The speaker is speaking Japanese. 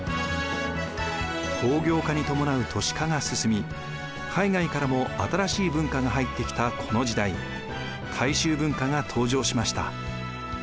工業化に伴う都市化が進み海外からも新しい文化が入ってきたこの時代「大衆文化」が登場しました。